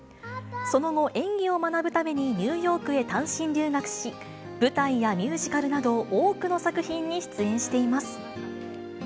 その後、演技を学ぶためにニューヨークへ単身留学し、舞台やミュージカルなど多くの作品に出演しています。